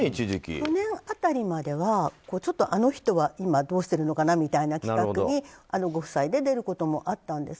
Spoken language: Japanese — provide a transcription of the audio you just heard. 去年あたりまではあの人は今どうしてるかなみたいな企画にご夫妻で出ることもあったんです。